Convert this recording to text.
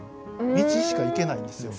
道しか行けないんですよ。